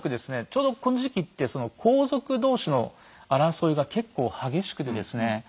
ちょうどこの時期って皇族同士の争いが結構激しくてですね